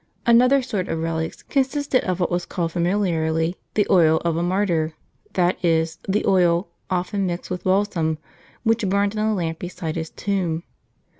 Another sort of relics consisted of what was called familiarly the oil of a martyr, that is, the oil, often mixed with balsam, which burned in a lamp beside his tomb.